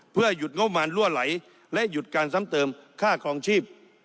เพื่อหยุดงบมารั่วไหลและหยุดการซ้ำเติมค่าครองชีพ